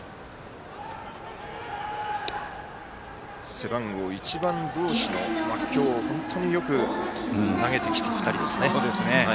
背番号１番同士の今日よく投げてきた２人です。